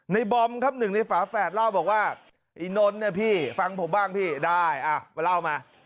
ในบอมครับ๑ในฝาแฝดเล่าบอกว่าอีน้นน่ะพี่ฟังผมบ้างพี่ได้เอาเล่ามา